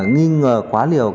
nghi ngờ quá liều